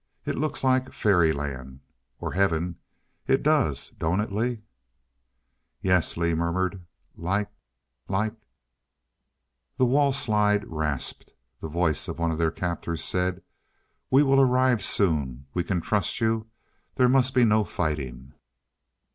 It looks like fairyland or Heaven. It does don't it, Lee?" "Yes," Lee murmured. "Like like " The wall slide rasped. The voice of one of their captors said, "We will arrive soon. We can trust you there must be no fighting?"